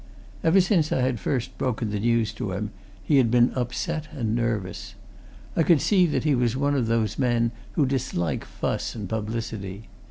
Ever since I had first broken the news to him, he had been upset and nervous: I could see that he was one of those men who dislike fuss and publicity.